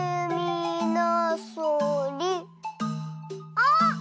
あっ！